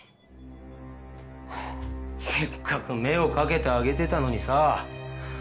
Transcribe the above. はあせっかく目をかけてあげてたのにさ。